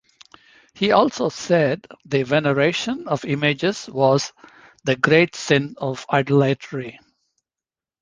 He also said the veneration of images was "the great sin of idolatry".